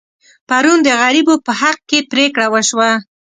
پرون د غریبو په حق کې پرېکړه وشوه.